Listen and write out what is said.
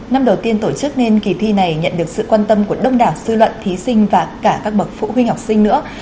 năm đầu tiên tổ chức nên kỳ thi này nhận được sự quan tâm của đông đảo sư luận thí sinh và cả các bậc phụ huynh học sinh nữa